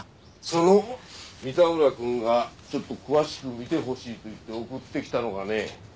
その三田村君がちょっと詳しく見てほしいといって送ってきたのがね